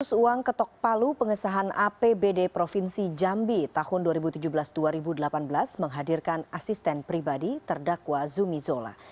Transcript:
kasus uang ketok palu pengesahan apbd provinsi jambi tahun dua ribu tujuh belas dua ribu delapan belas menghadirkan asisten pribadi terdakwa zumi zola